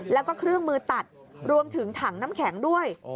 แล้วก็เครื่องมือตัดรวมถึงถังน้ำแข็งด้วย